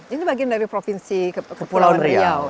ini bagian dari provinsi kepulauan riau